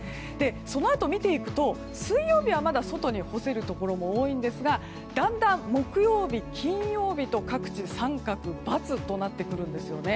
そのあと、見ていくと水曜日はまだ外に干せるところも多いんですがだんだん木曜日、金曜日と各地、三角バツとなってくるんですよね。